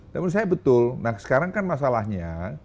dan menurut saya betul nah sekarang kan masalahnya